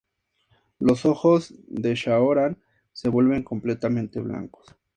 Los ojos de Shaoran se vuelven completamente blancos.